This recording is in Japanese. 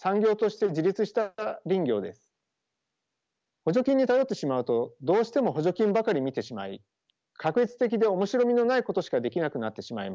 補助金に頼ってしまうとどうしても補助金ばかり見てしまい画一的で面白みのないことしかできなくなってしまいます。